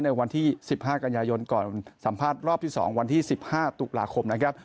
ในวันที่๑๕กันยายนก่อนสัมภาษณ์รอบที่๒วันที่๑๕ตุลาคมนะครับ